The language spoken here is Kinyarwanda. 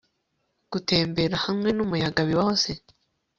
gutembera hamwe numuyaga bibaho se